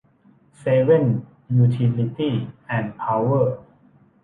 เซเว่น ยูทิลิตี้ส์ แอนด์ พาวเวอร์